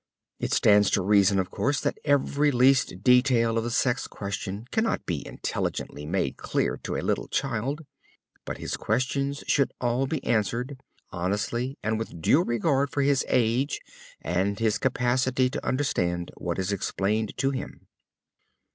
It stands to reason, of course, that every least detail of the sex question cannot be intelligently made clear to a little child. But his questions should all be answered, honestly, and with due regard for his age and his capacity to understand what is explained to him.